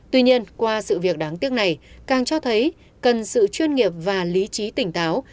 tuy nhiên qua sự việc đáng tiếc này càng cho thấy cần sự chuyên nghiệp và lý trí tỉnh táo